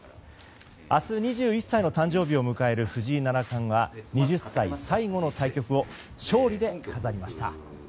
明日、２１歳の誕生日を迎える藤井七冠は２０歳最後の対局を勝利で飾りました。